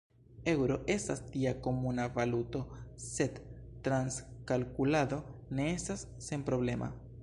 Eŭro estas tia komuna valuto, sed transkalkulado ne estas senproblema.